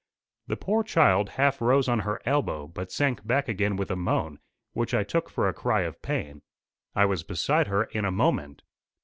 The poor child half rose on her elbow, but sank back again with a moan, which I took for a cry of pain. I was beside her in a moment.